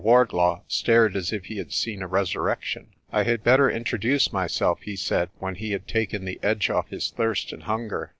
Wardlaw stared as if he had seen a resurrection. "I had better introduce myself," he said, when he had taken the edge off his thirst and hunger.